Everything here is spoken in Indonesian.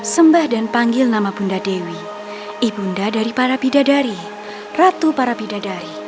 sembah dan panggil nama bunda dewi ibunda dari para bidadari ratu para bidadari